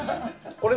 これ。